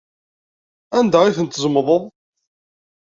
Anda ay tent-tzemḍeḍ?